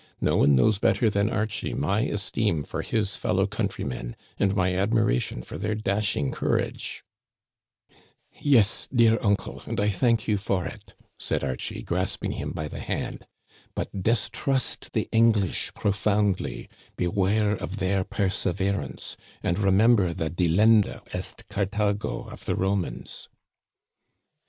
No one knows better than Archie my esteem for his fellow countrymen, and my admiration for their dash ing courage." " Yes, dear uncle, and I thank you for it," said Ar chie, grasping him by the hand ;" but distrust the Eng Digitized by VjOOQIC MADAME UHABERVILLE'S STORY, IS7 lish profoundly. Beware of their perseverance, and re member the Delenda est Carthago of the Romans."